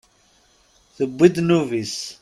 Tewwim ddnub-is.